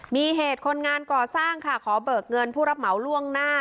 มีเหตุคนงานก่อสร้างค่ะขอเบิกเงินผู้รับเหมาล่วงหน้า